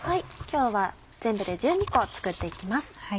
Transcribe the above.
今日は全部で１２個作って行きます。